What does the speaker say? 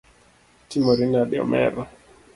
Itimori nade omera.